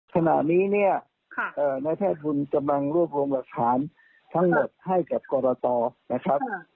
ขณะนี้เนี่ยนายแพทย์ทุนกำลังรวบรวมหลักฐานทั้งหมดให้กับกรตนะครับ